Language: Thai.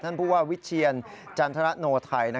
ท่านพูดว่าวิเชียรจันทรนโนไท